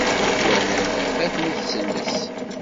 Walan tafat mi tselles